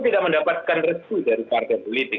dia mendapatkan respu dari partai politik